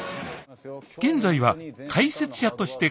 現在は解説者として活躍中。